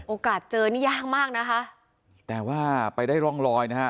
โอกาสเจอนี่ยากมากนะคะแต่ว่าไปได้ร่องรอยนะฮะ